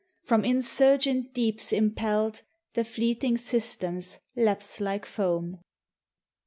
from insurgent deeps impelled The fleeting systems lapse like foam.